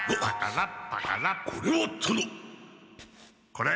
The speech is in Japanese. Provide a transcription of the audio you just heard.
これ。